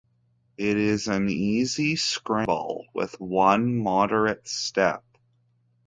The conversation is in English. It is an easy scramble with one moderate step.